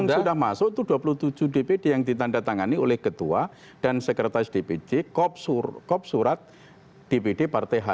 itu yang sudah masuk itu dua puluh tujuh dpd yang ditanda tangani oleh ketua dan sekretaris dpd kop surat dpd partai hanur